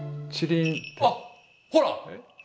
あっほら。